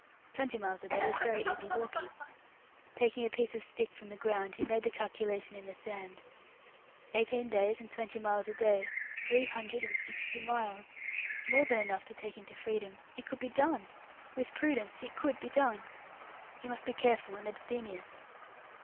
Twenty miles a day was very easy walking. Taking a piece of stick from the ground, he made the calculation in the sand. Eighteen days, and twenty miles a day three hundred and sixty miles. More than enough to take him to freedom. It could be done! With prudence, it could be done! He must be careful and abstemious!